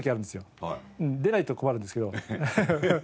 出ないと困るんですけどハハハ。